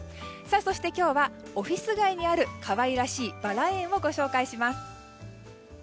そして、今日はオフィス街にある可愛らしいバラ園をご紹介します。